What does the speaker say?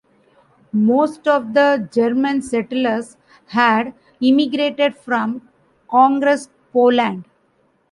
Most of the German settlers had immigrated from Congress Poland.